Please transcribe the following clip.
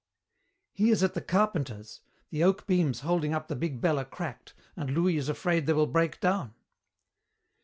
"He is at the carpenter's. The oak beams holding up the big bell are cracked and Louis is afraid they will break down."